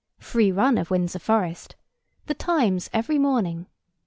Free run of Windsor Forest. The Times every morning.